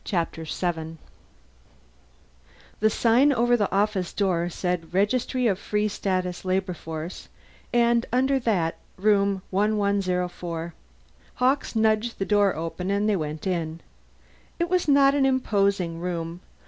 Chapter Seven The sign over the office door said REGISTRY OF FREE STATUS LABOR FORCE, and under that ROOM 1104. Hawkes nudged the door open and they went in. It was not an imposing room.